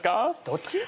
どっち？